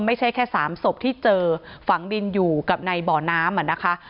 ไม่ใช่แค่๓ศพที่เจอฝังดินอยู่กับในบ่อน้ำอ่ะนะคะ